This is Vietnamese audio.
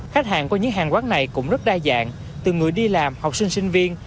khách hàng qua những hàng quán này cũng rất đa dạng từ người đi làm học sinh sinh viên